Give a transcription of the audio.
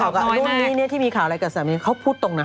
แล้วที่มีข่าวอะไรกับสามิคู่เขาพูดตรงนะ